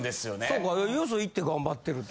そうかよそ行って頑張ってる。